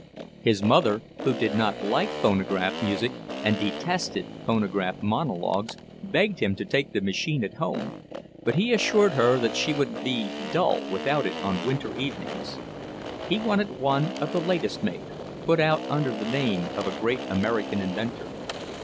His mother, who did not like phonograph music, and detested phonograph monologues, begged him to take the machine at home, but he assured her that she would be dull without it on winter evenings. He wanted one of the latest make, put out under the name of a great American inventor.